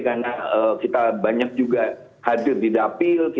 karena kita banyak juga hadir di dapil